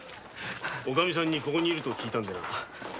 オカミさんにここにいると聞いたんでな。